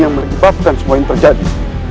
yang mengibatkan semua yang terjadi